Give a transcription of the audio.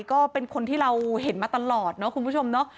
ก็เป็นคนที่เราเห็นมาตลอดเนาะคุณผู้ชมเนาะ